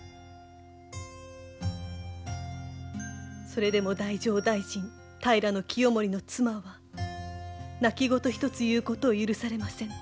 それでも太政大臣平清盛の妻は泣き言一つ言うことを許されませぬ。